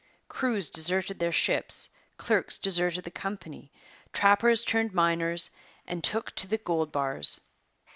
Crews deserted their ships, clerks deserted the company, trappers turned miners and took to the gold bars.